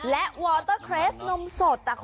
และวอเตอร์เครสนมสด